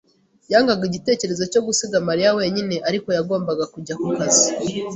yangaga igitekerezo cyo gusiga Mariya wenyine, ariko yagombaga kujya ku kazi.